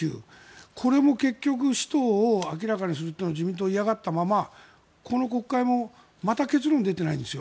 これも結局使途を明らかにするというのは自民党は嫌がったままこの国会もまた結論は出ていないんですよ。